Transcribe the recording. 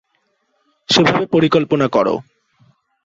সেভাবে পরিকল্পনা করো।